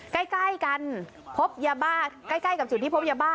ใกล้กันพบยาบ้าใกล้กับจุดที่พบยาบ้า